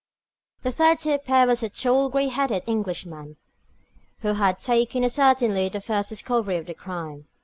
The third to appear was the tall, gray headed Englishman, who had taken a certain lead at the first discovery of the crime.